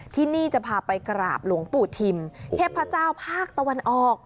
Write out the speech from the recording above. ที่นี่จะพาไปกราบหลวงปู่ทิมเทพเจ้าภาคตะวันออก